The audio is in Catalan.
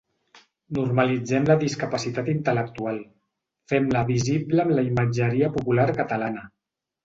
Normalitzem la discapacitat intel·lectual, fem-la visible en la imatgeria popular catalana.